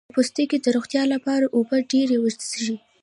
د پوستکي د روغتیا لپاره اوبه ډیرې وڅښئ